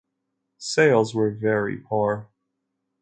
Sales were very poor.